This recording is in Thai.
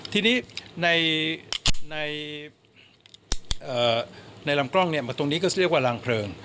ทีนี้ในลำกล้องตรงนี้ก็เรียกว่ารางเพลิง